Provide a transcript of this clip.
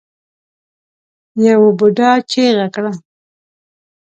يوه بوډا چيغه کړه.